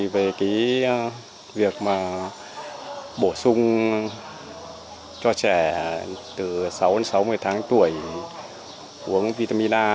về việc bổ sung cho trẻ từ sáu đến sáu mươi tháng tuổi uống vitamin a